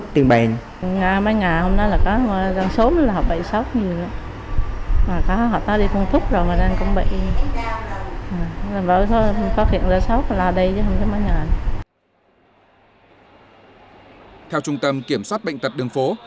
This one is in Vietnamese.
theo trung tâm kiểm soát bệnh tật đường pháp